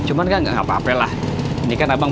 udah diminta nih